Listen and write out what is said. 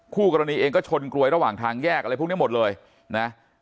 คู่กรณีเองก็ชนกลวยระหว่างทางแยกอะไรพวกนี้หมดเลยนะ